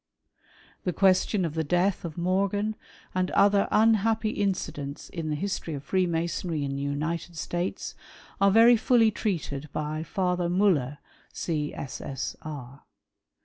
The question of the death of Morgan, and other unhappy incidents in the history of Freemasonry in the United States, are very fully treated by Father Miiller, C.SS.R.